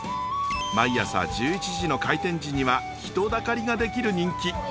毎朝１１時の開店時には人だかりが出来る人気。